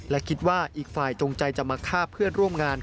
และคิดว่าอีกฝ่ายจงใจจะมาฆ่าเพื่อนร่วมงาน